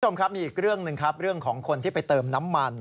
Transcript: มีอีกเรื่องหนึ่งครับเรื่องของคนที่ไปเติมน้ำมัน